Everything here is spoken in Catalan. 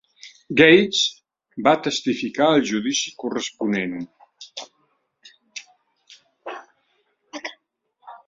Gates va testificar al judici corresponent.